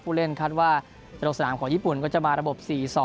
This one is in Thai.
ผู้เล่นคาดว่าจากโรศนามของญี่ปุ่นก็จะมาระบบ๔๒๓๑